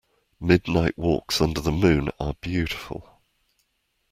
Midnight walks under the moon are beautiful.